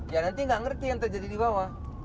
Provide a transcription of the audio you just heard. ya nanti nggak ngerti yang terjadi di bawah